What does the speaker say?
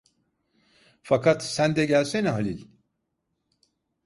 Fakat sen de gelsene Halil…